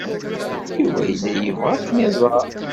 Yuba yella yebɣa ad ken-iẓer.